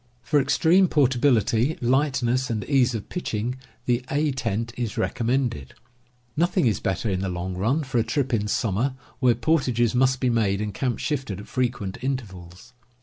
For extreme portability, lightness, and ease of pitch ing, the A tent is recommended. Nothing is better, .^ in the long run, for a trip in summer, where portages must be made and camp shifted at frequent intervals.